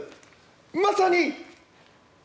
まさに！